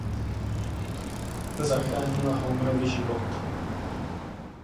Zachránila Homerovi život.